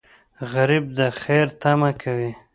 غریب د خیر تمه کوي